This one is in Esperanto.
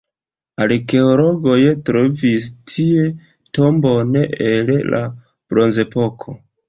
Arkeologoj trovis tie tombon el la bronzepoko.